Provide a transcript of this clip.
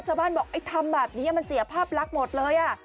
ชาวบ้านบอกไอ้ทำแบบนี้มันเสียภาพลักษณ์หมดเลย